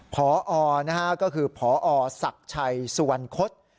พลนะฮะน่ะก็คือพลศักดิ์ชัยส่วนโคตร